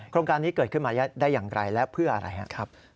โครงการนี้เกิดขึ้นมาได้อย่างไรและเพื่ออะไรครับ